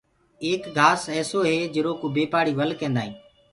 ايڪ گھآس ايسو هي جرو ڪوُ بي پآڙي ول ڪيندآ هينٚ۔